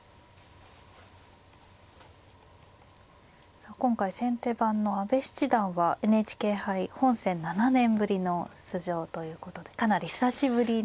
さあ今回先手番の阿部七段はＮＨＫ杯本戦７年ぶりの出場ということでかなり久しぶりの。